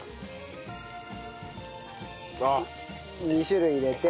２種類入れて。